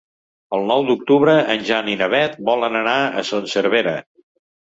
El nou d'octubre en Jan i na Beth volen anar a Son Servera.